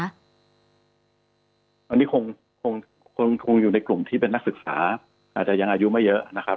อันนี้คงอยู่ในกลุ่มที่เป็นนักศึกษาอาจจะยังอายุไม่เยอะนะครับ